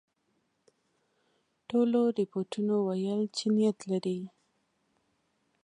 ټولو رپوټونو ویل چې نیت لري.